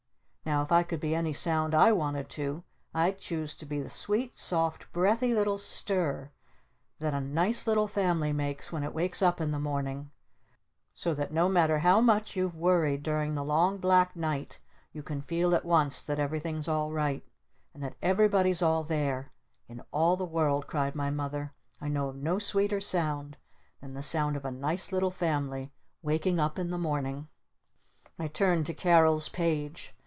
Now if I could be any Sound I wanted to I'd choose to be the sweet soft breathy little stir that a nice little family makes when it wakes up in the morning so that no matter how much you've worried during the long black night you can feel at once that everything's all right! And that everybody's all there! In all the world," cried my Mother, "I know of no sweeter sound than the sound of a nice little family waking up in the morning!" I turned to Carol's page.